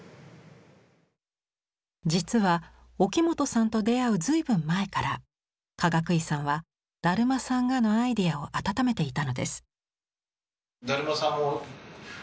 実は沖本さんと出会う随分前からかがくいさんは「だるまさんが」のアイデアを温めていたのです。